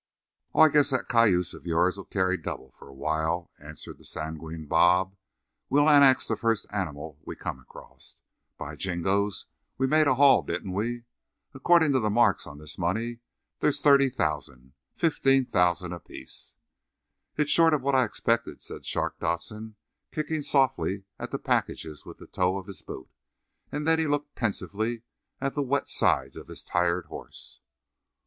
"Oh, I guess that cayuse of yourn'll carry double for a while," answered the sanguine Bob. "We'll annex the first animal we come across. By jingoes, we made a haul, didn't we? Accordin' to the marks on this money there's $30,000—$15,000 apiece!" "It's short of what I expected," said Shark Dodson, kicking softly at the packages with the toe of his boot. And then he looked pensively at the wet sides of his tired horse.